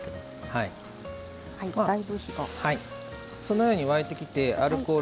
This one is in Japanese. はい。